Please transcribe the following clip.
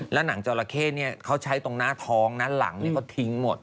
แล้วหนังจราเข้เขาใช้ตรงหน้าท้องนะหลังเขาทิ้งหมด